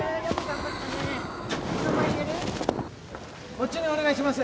こっちにお願いします。